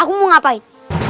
aku mau ngapain